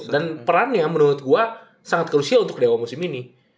dan perannya menurut gua sangat crucial untuk dewa musim ini